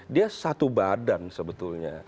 dia satu badan sebetulnya